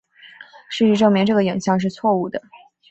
事实证明这个影像是错误的。